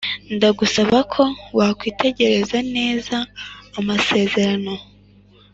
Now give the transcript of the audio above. ndagusaba ko wakwitegereza neza amasezerano.